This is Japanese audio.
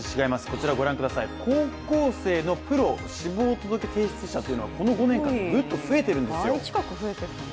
こちら、高校生のプロ志望届提出者はこの５年間でぐっと増えているんですよ。